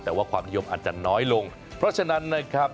แต่ว่าความนิยมอาจจะน้อยลงเพราะฉะนั้นนะครับ